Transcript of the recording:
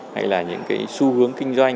hay là những xu hướng kinh doanh